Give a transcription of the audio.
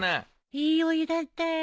いいお湯だったよ。